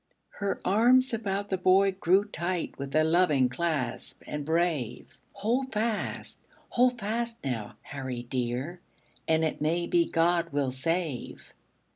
Her arms about the boy grew tight, With a loving clasp, and brave; "Hold fast! Hold fast, now, Harry dear, And it may be God will save."